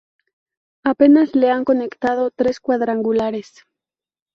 Apenas le han conectado tres cuadrangulares.